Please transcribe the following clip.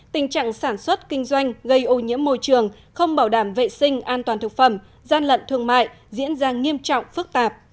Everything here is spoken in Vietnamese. tình trạng sản xuất kinh doanh gây ô nhiễm môi trường không bảo đảm vệ sinh an toàn thực phẩm gian lận thương mại diễn ra nghiêm trọng phức tạp